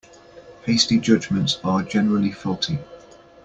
Hasty judgements are generally faulty.